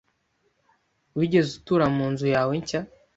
Wigeze utura mu nzu yawe nshya?